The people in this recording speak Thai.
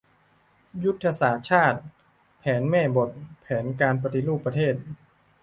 ยุทธศาสตร์ชาติ แผนแม่บท แผนการปฏิรูปประเทศ